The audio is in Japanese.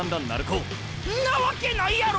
んなわけないやろ！